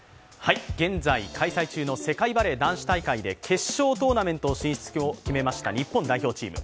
現在開催中の世界バレー男子大会で決勝トーナメント進出を決めました日本代表チーム。